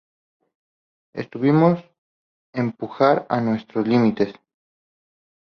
Estuvimos empujar a nuestros límites.